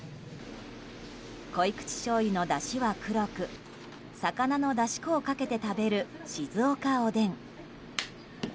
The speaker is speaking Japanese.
濃い口しょうゆのだしは黒く魚のだし粉をかけて食べる静岡おでん。